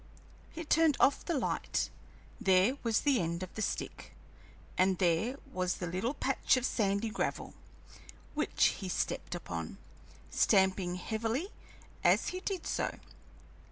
He turned off the light; there was the end of the stick, and there was the little patch of sandy gravel, which he stepped upon, stamping heavily as he did so.